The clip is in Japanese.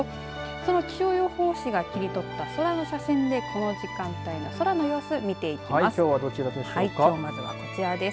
その気象予報士が切り取った空の写真でこの時間帯の空の様子、見てきます。